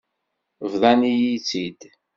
Bḍant-iyi-tt-id.